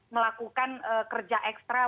melakukan kerja ekstra